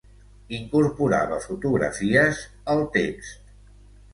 Incorporava fotografies al text.